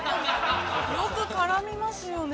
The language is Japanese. ◆よく絡みますよね。